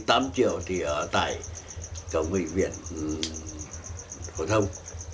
tám triệu thì ở tại cộng hội viện phổ thông